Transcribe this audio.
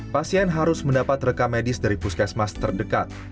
pasien harus mendapat rekam medis dari puskesmas terdekat